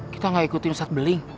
kita gak ikutin ustadz beling